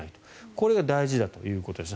これが大事だということですね。